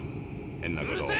変なことを。